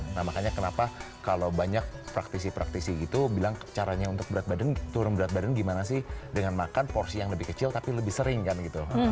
nah makanya kenapa kalau banyak praktisi praktisi gitu bilang caranya untuk berat badan turun berat badan gimana sih dengan makan porsi yang lebih kecil tapi lebih sering kan gitu